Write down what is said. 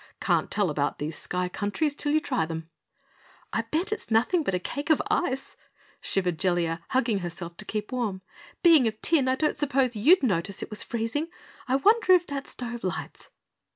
"Can't tell about these Sky Countries till you try them." "I'll bet it's nothing but a cake of ice," shivered Jellia, hugging herself to keep warm. "Being of tin, I don't suppose you'd notice it was freezing! I wonder if that stove lights?"